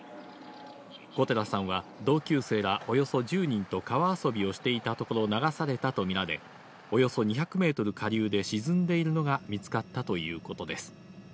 小寺さんは同級生らおよそ１０人と川遊びをしていたところ、流されたと見られ、およそ２００メートル下流で沈んでいるのが見つかったということです。